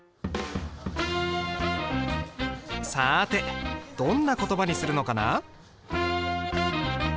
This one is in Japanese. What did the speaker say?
さてどんな言葉にするのかな？